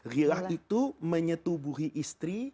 ghilah itu menyetubuhi istri